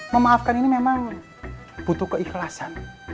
memaafkan ini memang butuh keikhlasan